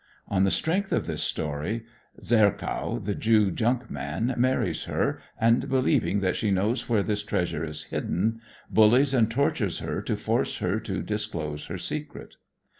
On the strength of this story "Zercow," the Jew junk man, marries her, and believing that she knows where this treasure is hidden, bullies and tortures her to force her to disclose her secret.